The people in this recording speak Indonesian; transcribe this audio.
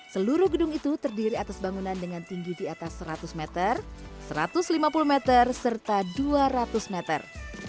seluruh gedung itu terdiri atas bangunan dengan tinggi di atas seratus meter satu ratus lima puluh meter serta dua ratus meter